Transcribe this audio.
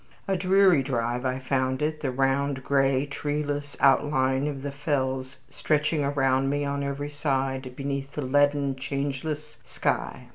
A dreary drive I found it the round, gray, treeless outline of the fells stretching around me on every side beneath the leaden, changeless sky.